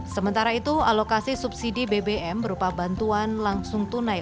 sementara itu alokasi subsidi bbm berupa bantuan langsung tunai